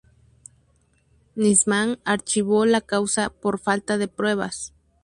Nisman archivó la causa por falta de pruebas.